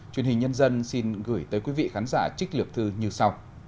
truyền hình nhân dân xin gửi tới quý vị khán giả trích lược thư như sau